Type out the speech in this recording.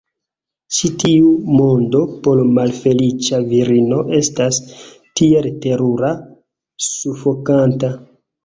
Ĉi tiu mondo por malfeliĉa virino estas tiel terura, sufokanta.